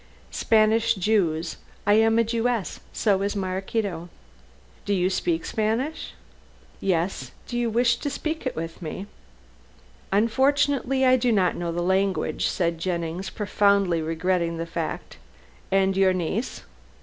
"Spanish Jews. I am a Jewess, so is Maraquito." "Do you speak Spanish?" "Yes. Do you wish to speak it with me?" "Unfortunately I do not know the language," said Jennings, profoundly regretting the fact. "And your niece?"